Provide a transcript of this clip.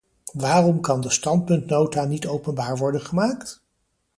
Waarom kan de standpuntnota niet openbaar worden gemaakt?